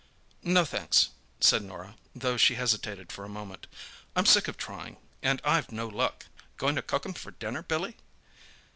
"No, thanks," said Norah, though she hesitated for a moment. "I'm sick of trying—and I've no luck. Going to cook 'em for dinner, Billy?"